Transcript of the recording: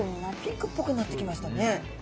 ピンクっぽくなってきましたね。